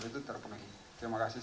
terpenuhi terima kasih